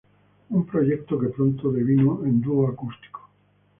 Un proyecto que pronto devino en dúo acústico.